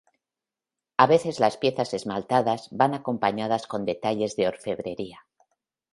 A veces las piezas esmaltadas van acompañadas con detalles de orfebrería.